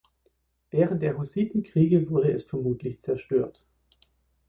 Während der Hussitenkriege wurde es vermutlich zerstört.